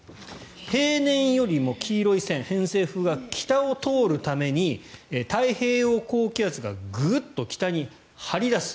平年よりも、黄色い線偏西風が北を通るために太平洋高気圧がグッと北に張り出す。